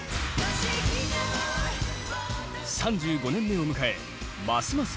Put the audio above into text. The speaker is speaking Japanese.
３５年目を迎えますます